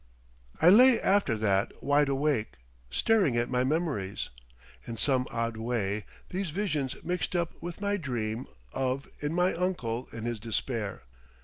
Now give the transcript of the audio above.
I lay after that wide awake, staring at my memories. In some odd way these visions mixed up with my dream of in my uncle in his despair.